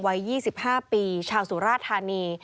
วัย๒๕ปีชาวสุราธานี